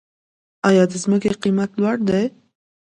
آیا د ځمکې قیمت لوړ دی؟